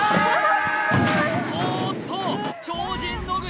おっと超人野口